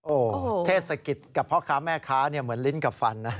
โอ้โหเทศกิจกับพ่อค้าแม่ค้าเหมือนลิ้นกับฟันนะ